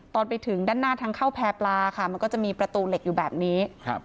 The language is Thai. ตอนไปถึงแผ่ปลามันจะมีประตูเหล็กอยู่แบบนี้